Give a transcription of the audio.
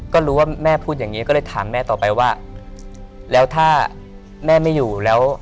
ก็รู้ว่าแม่พูดอย่างนี้ก็เลยถามแม่ต่อไปว่าแล้วถ้าแม่ไม่อยู่แล้ว